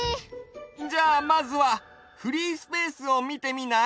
じゃあまずはフリースペースをみてみない？